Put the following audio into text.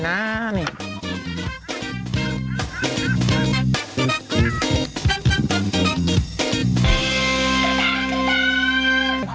น้ายพร